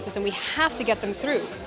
kita harus mengembalikannya